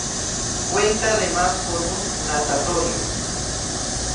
Cuenta además con un natatorio.